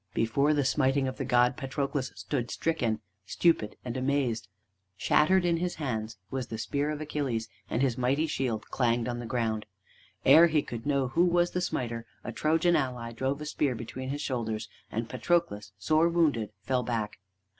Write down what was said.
Before the smiting of the god, Patroclus stood stricken, stupid and amazed. Shattered in his hands was the spear of Achilles, and his mighty shield clanged on the ground. Ere he could know who was the smiter, a Trojan ally drove a spear between his shoulders, and Patroclus, sore wounded, fell back.